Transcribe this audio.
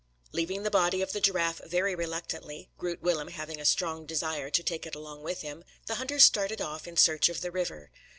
Leaving the body of the giraffe very reluctantly, (Groot Willem having a strong desire to take it along with him,) the hunters started off in search of the river.